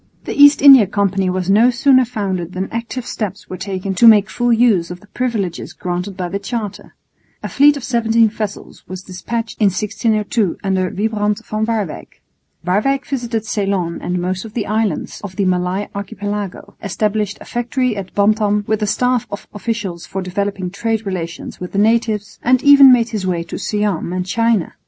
The East India Company was no sooner founded than active steps were taken to make full use of the privileges granted by the Charter. A fleet of 17 vessels was despatched in 1602 under Wybrand van Waerwyck. Waerwyck visited Ceylon and most of the islands of the Malay Archipelago, established a factory at Bantam with a staff of officials for developing trade relations with the natives, and even made his way to Siam and China.